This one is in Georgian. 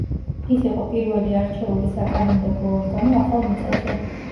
ის იყო პირველი არჩეული საკანონმდებლო ორგანო ახალ მიწაზე.